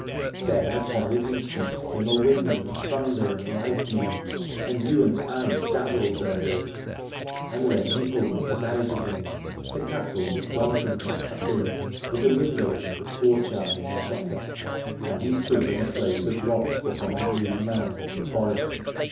Then upon the instant came a wind and thunder and lightning, and Ywain's eyes dazzled therewith. And when he opened his eyes again the castle was gone from him 128 Alad ore utterly, with the windows and the courtyard and the chequer : and he stood in a place of rocks upon a green mound of the forest.